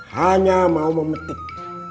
hanya mau memetik